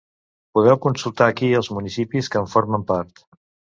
Podeu consultar aquí els municipis que en formen part.